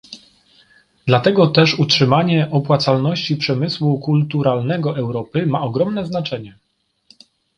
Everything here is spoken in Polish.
Dlatego też utrzymanie opłacalności przemysłu kulturalnego Europy ma ogromne znaczenie